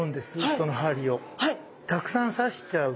その針を。